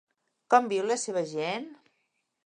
Com viu la seva gent?